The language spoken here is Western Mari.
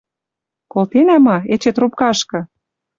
Колтенӓ ма?.. Эче трубкашкы!» —